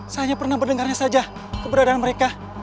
saya hanya pernah mendengarnya saja keberadaan mereka